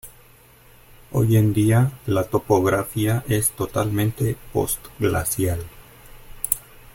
Hoy en día, la topografía es totalmente post-glacial.